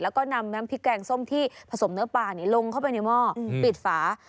แล้วก็นำน้ำพริกแกงส้มที่ผสมเนื้อปลาลงเข้าไปในหม้อปิดฝา